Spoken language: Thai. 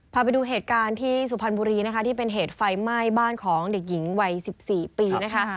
พาไปดูเหตุการณ์ที่สุพรรณบุรีนะคะที่เป็นเหตุไฟไหม้บ้านของเด็กหญิงวัย๑๔ปีนะคะ